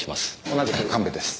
同じく神戸です。